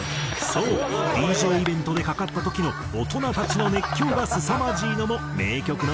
そうＤＪイベントでかかった時の大人たちの熱狂がすさまじいのも名曲の証拠だという。